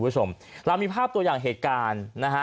เรามีภาพตัวอย่างเหตุการณ์